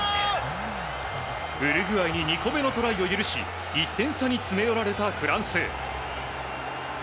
ウルグアイに２個目のトライを許し１点差に詰め寄られたフランス。